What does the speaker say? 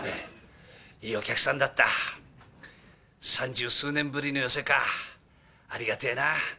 いいお客さんだった、三十数年ぶりの寄席か、ありがてぇなあ。